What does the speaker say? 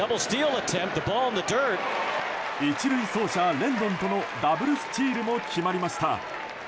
１塁走者レンドンとのダブルスチールも決まりました。